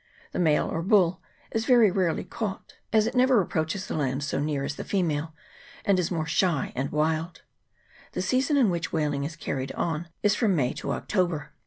The male, or bull, is very rarely caught, as it never approaches the land so near as CHAP. II.] WHALES AND WHALERS. 45 the female, and is more shy and wild. The season in which whaling is carried on is from May to Oc tober.